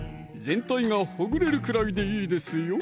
全体がほぐれるくらいでいいですよ